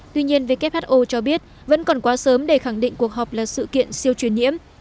tuy nhiên who cho biết vẫn còn quá sớm để khẳng định cuộc họp là sự kiện siêu truyền nhiễm